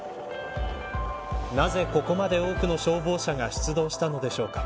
なぜここまで多くの消防車が出動したのでしょうか。